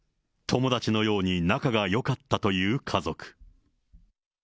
友達のように仲がよかったという家族。